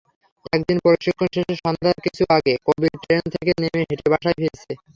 একদিন প্রশিক্ষণ শেষে সন্ধ্যার কিছু আগে কবির ট্রেন থেকে নেমে হেঁটে বাসায় ফিরছে।